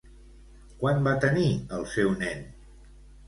Quan va tenir el seu nen?